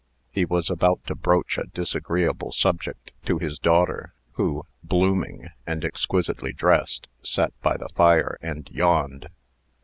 He was about to broach a disagreeable subject to his daughter, who, blooming, and exquisitely dressed, sat by the fire and yawned.